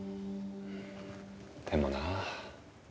でもなあ。